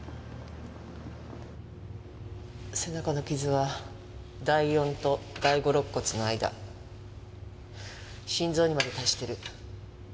背中の傷は第４と第５肋骨の間心臓にまで達してる。